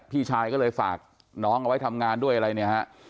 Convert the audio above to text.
พี่ชายก็เลยฝากน้องเอาไว้ทำงานด้วยอะไรเนี่ยฮะ